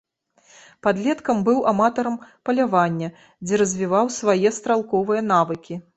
Падлеткам быў аматарам палявання, дзе развіваў свае стралковыя навыкі.